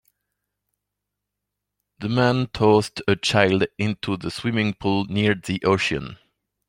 The man tossed a child into the swimming pool near the ocean